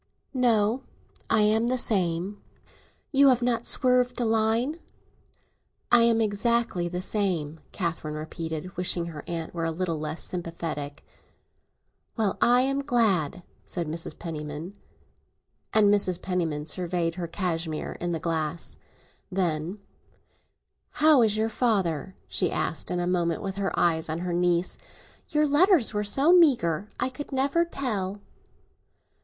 "No; I am the same." "You have not swerved a line?" "I am exactly the same," Catherine repeated, wishing her aunt were a little less sympathetic. "Well, I am glad!" and Mrs. Penniman surveyed her cashmere in the glass. Then, "How is your father?" she asked in a moment, with her eyes on her niece. "Your letters were so meagre—I could never tell!"